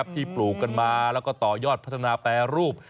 ปลูกกันมาแล้วก็ต่อยอดพัฒนาแปรรูป